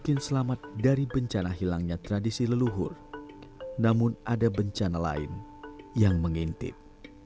kami berdoa untuk orang orang yang berkembang